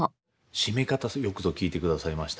締め方よくぞ聞いてくださいました。